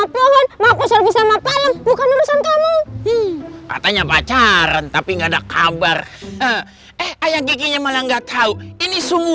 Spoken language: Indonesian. pilaf makanya pacaran tapi enggak ada kabar ayang giginya malah gak tau ini memu